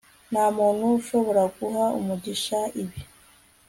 nta muntu ushobora guha umugisha ibi